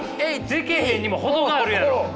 できへんにも程があるやろ。